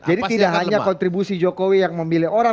jadi tidak hanya kontribusi jokowi yang memilih orang